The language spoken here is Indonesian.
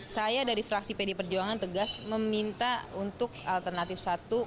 saya dari fraksi pd perjuangan tegas meminta untuk alternatif satu